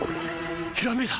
ひらめいた！